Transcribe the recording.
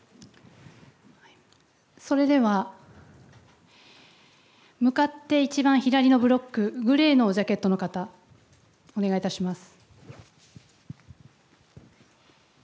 それでは、向かって一番左のブロック、グレーのジャケットの方、お願いいたします。